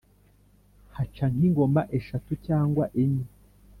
haca nk’ingoma eshatu cyangwa enye,